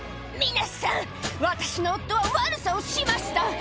「皆さん私の夫は悪さをしました！」